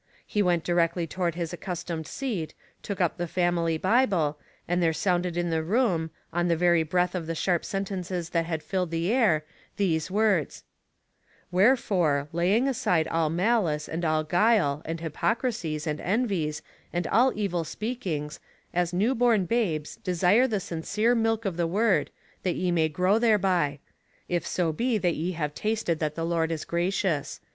He went directly toward hia accustomed seat, took up the family Bible, and there sounded in the room, on the very breath of the sharp sentences that had filled the air, these words :'* Wherefore, laying aside all mal ice, and all guile, and hypocrisies, and envies, and all evil speakings, as new born babes, desire the sincere milk of the word, that ye may grow thereby : if so be that ye have tasted that the Lord is gracious.